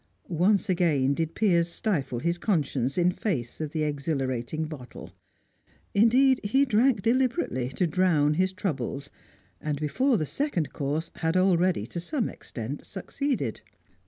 Once again did Piers stifle his conscience in face of the exhilarating bottle; indeed, he drank deliberately to drown his troubles, and before the second course had already to some extent succeeded.